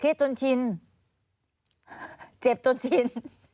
เครียดจนชินเจ็บจนชิน